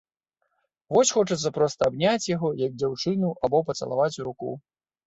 Вось хочацца проста абняць яго, як дзяўчыну, або пацалаваць у руку.